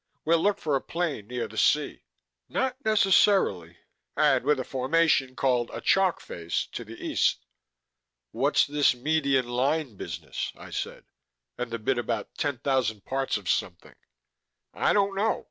"We'll look for a plain near the sea " "Not necessarily." " and with a formation called a chalk face to the east." "What's this 'median line' business?" I said. "And the bit about ten thousand parts of something?" "I don't know.